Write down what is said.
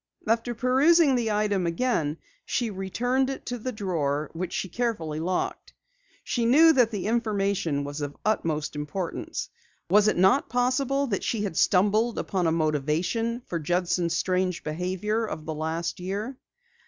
After perusing the item again, she returned it to the drawer which she carefully locked. She knew that the information was of utmost importance. Was it not possible that she had stumbled upon a motivation for Judson's strange behavior of the past year?